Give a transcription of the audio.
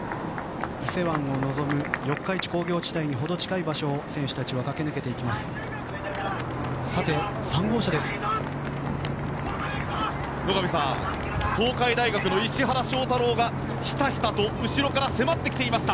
伊勢湾を望む、四日市工業地帯にほど近い場所を選手たちは駆け抜けていきます。